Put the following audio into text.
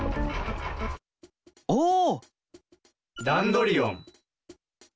おお！